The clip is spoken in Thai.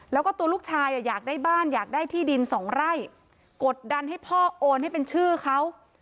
แล้วก็ตัวลูกชายอยากได้บ้านอยากได้ที่ดินสองไร่กดดันให้พ่อโอนให้เป็นชื่อเขา